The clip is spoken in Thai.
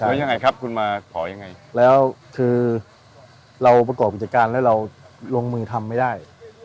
แล้วยังไงครับคุณมาขอยังไงแล้วคือเราประกอบกิจการแล้วเราลงมือทำไม่ได้